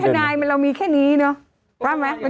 ข้อนี้มันเหมือนทนายเรามีแค่นี้เนอะ